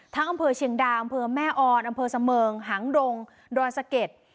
อำเภอเชียงดาวอำเภอแม่ออนอำเภอเสมิงหางดงดอยสะเก็ด